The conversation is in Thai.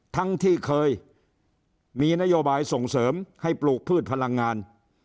ทั้งที่เคยมีนโยบายส่งเสริมให้ปลูกพืชพลังงาน